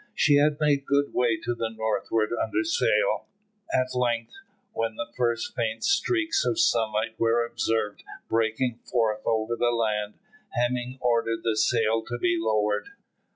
She had made good way to the northward under sail. At length, when the first faint streaks of sunlight were observed breaking forth over the land, Hemming ordered the sail to be lowered.